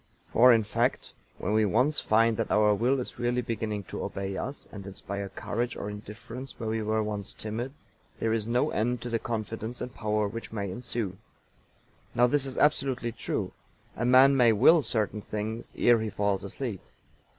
For, in fact, when we once find that our will is really beginning to obey us, and inspire courage or indifference where we were once timid, there is no end to the confidence and power which may ensue. Now this is absolutely true. A man may will certain things ere he falls asleep.